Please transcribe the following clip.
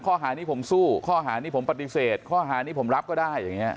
ข้อหานี้ผมสู้ข้อหานี้ผมปฏิเสธข้อหานี้ผมรับก็ได้อย่างนี้